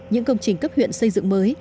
những công trình cấp huyện xây dựng mới